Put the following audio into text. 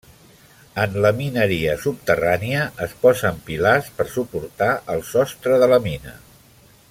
En la mineria subterrània es posen pilars per suportar el sostre de la mina.